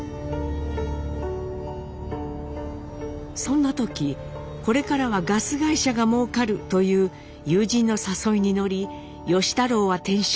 そんな時「これからはガス会社がもうかる」という友人の誘いに乗り芳太郎は転職。